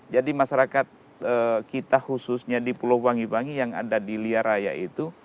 jadi masyarakat kita khususnya di pulau wangi wangi yang ada di liaraya itu